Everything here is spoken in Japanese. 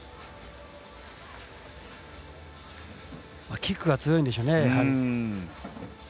キックが強いんでしょう、やはり。